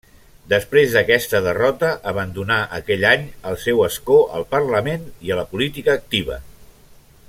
Després d'aquesta derrota abandonà aquell any el seu escó al Parlament i la política activa.